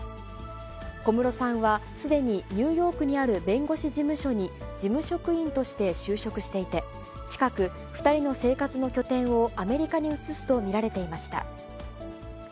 小室さんはすでにニューヨークにある弁護士事務所に事務職員として就職していて、近く、２人の生活の拠点をアメリカに移すと見られていました。